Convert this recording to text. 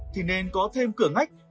thì nên có thêm cửa ngách